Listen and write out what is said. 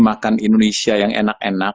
makan indonesia yang enak enak